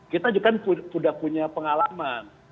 kita juga sudah punya pengalaman